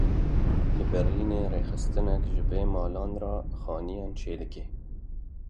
Li Berlînê rêxistinek ji bêmalan re xaniyan çê dike.